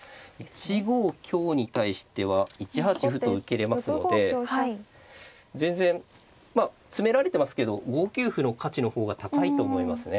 １五香に対しては１八歩と受けれますので全然まあ詰められてますけど５九歩の価値の方が高いと思いますね。